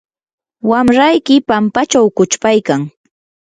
wamrayki pampachaw quchpaykan.